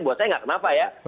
buat saya nggak kenapa ya